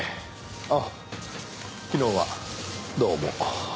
あっ昨日はどうも。